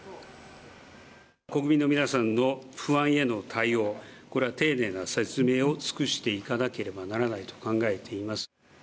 国民の皆さんの不安への対応、これは丁寧な説明を尽くしていかなければならないと考えています。